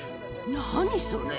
何それ？